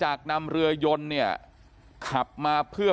พี่บูรำนี้ลงมาแล้ว